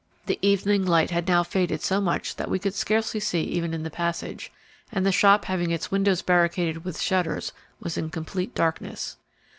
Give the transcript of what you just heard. The evening light had now faded so much that we could scarcely see even in the passage, and the shop having its windows barricaded with shutters, was in complete darkness.